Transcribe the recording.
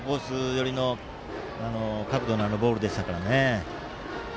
寄りの角度のあるボールでしたからね。